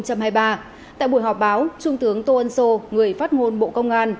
tại buổi họp báo trung tướng tô ân sô người phát ngôn bộ công an